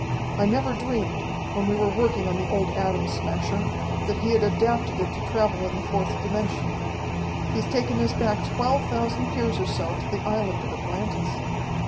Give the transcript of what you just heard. I never dreamed, when we were working on the old Atom Smasher, that he had adapted it to travel in the fourth dimension. He's taken us back twelve thousand years or so to the island of Atlantis.